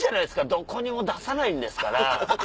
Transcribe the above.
どこにも出さないんですから。